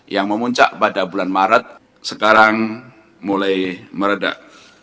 yang memuncak pada bulan maret sekarang mulai meredah